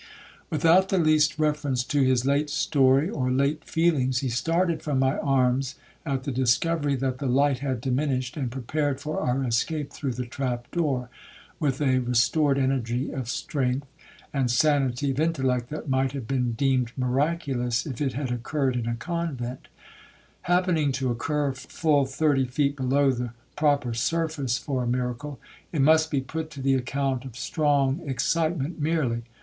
Without the least reference to his late story, or late feelings, he started from my arms at the discovery that the light had diminished, and prepared for our escape through the trap door, with a restored energy of strength, and sanity of intellect, that might have been deemed miraculous if it had occurred in a convent:—Happening to occur full thirty feet below the proper surface for a miracle, it must be put to the account of strong excitement merely.